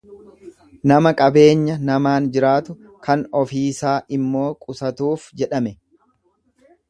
Nama qabeenya namaan jiraatu, kan ofiisaa immoo qusatuuf jedhame.